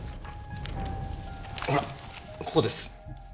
ほらここです。